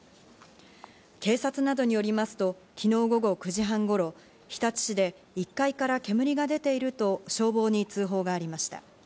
警察などによりますと昨日午後９時半頃、日立市で１階から煙が出ていると消防に通報がありました。